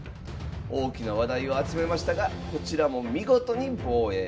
大きな話題を集めましたがこちらも見事に防衛。